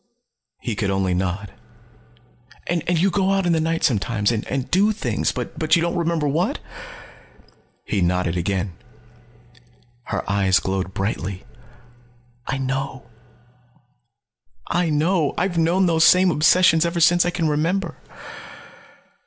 He could only nod. "And you go out in the night sometimes and do things but you don't remember what?" He nodded again. Her eyes glowed brightly. "I know. I know. I've known those same obsessions ever since I can remember."